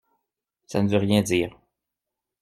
Ça ne veut rien dire.